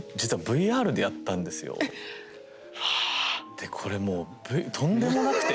でこれもうとんでもなくて。